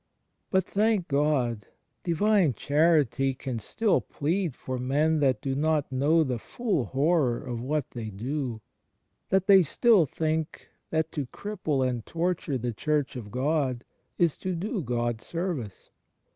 But, thank God! Divine Charity can still plead for men that they do not know the full horror of what they do, that they still think that to cripple and torture the Church of God is to do God service.